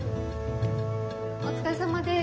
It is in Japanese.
お疲れさまです。